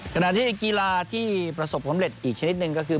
ขณะที่กีฬาที่ประสบความเร็จอีกชนิดหนึ่งก็คือ